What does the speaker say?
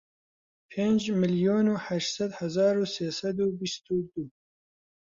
پێنج ملیۆن و هەشت سەد هەزار و سێ سەد و بیست و دوو